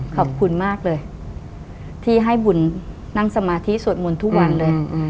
ขอบคุณมากเลยที่ให้บุญนั่งสมาธิสวดมนต์ทุกวันเลย